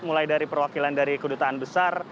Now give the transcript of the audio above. mulai dari perwakilan dari kedutaan besar